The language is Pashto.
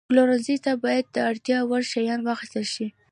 پلورنځي ته باید د اړتیا وړ شیان واخیستل شي.